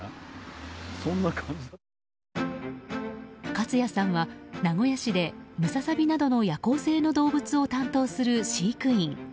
一也さんは名古屋市でムササビなどの夜行性の動物を担当する飼育員。